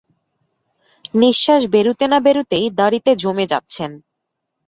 নিঃশ্বাস বেরুতে না বেরুতেই দাড়িতে জমে যাচ্চেন।